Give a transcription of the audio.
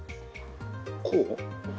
こう？